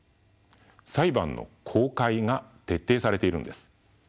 裁判の公開が徹底されているのです。